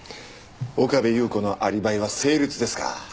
岡部祐子のアリバイは成立ですか。